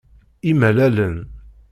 Imalalen.